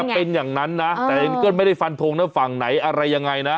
เป็นอย่างนั้นนะแต่ก็ไม่ได้ฟันทงนะฝั่งไหนอะไรยังไงนะ